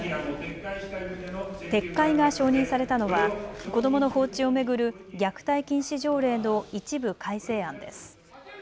撤回が承認されたのは子どもの放置を巡る虐待禁止条例の一部改正案です。